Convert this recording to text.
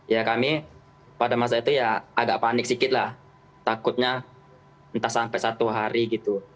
ya kami pada masa itu ya agak panik sikit lah takutnya entah sampai satu hari gitu